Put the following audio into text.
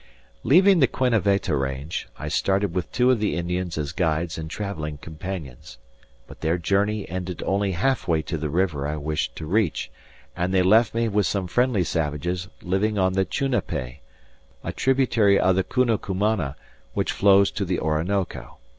Leaving the Queneveta range, I started with two of the Indians as guides and travelling companions; but their journey ended only half way to the river I wished to reach; and they left me with some friendly savages living on the Chunapay, a tributary of the Cunucumana, which flows to the Orinoco.